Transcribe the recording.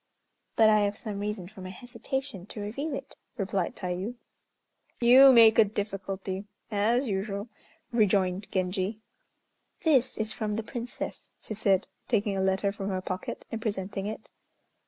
"But I have some reason for my hesitation to reveal it," replied Tayû. "You make a difficulty, as usual," rejoined Genji. "This is from the Princess," she said, taking a letter from her pocket and presenting it.